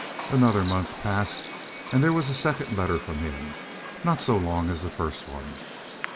Another month passed, and then there was a second letter from him, not so long as the first one.